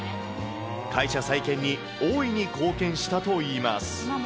会社再建に大いに貢献したといいます。